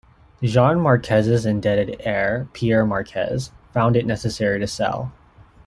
Jean Marques's indebted heir Pierre Marques found it necessary to sell.